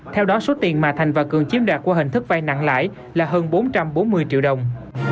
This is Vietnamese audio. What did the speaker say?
theo đó số tiền mà thành và cường chiếm đoạt qua hình thức vay nặng lãi là hơn bốn trăm bốn mươi triệu đồng